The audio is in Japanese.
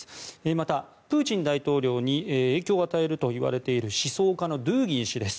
また、プーチン大統領に影響を与えるといわれている思想家のドゥーギン氏です。